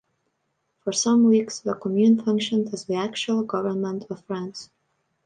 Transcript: For some weeks the Commune functioned as the actual government of France.